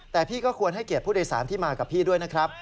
แต่พี่ก็ควรให้เกียรติผู้โดยสารที่มากับพี่ด้วยนะครับ